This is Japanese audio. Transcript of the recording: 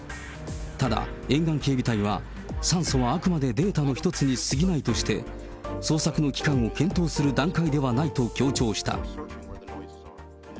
ただ、沿岸警備隊は、酸素はあくまでデータの一つに過ぎないとして、捜索の期間を検討する段階ではないと強調した。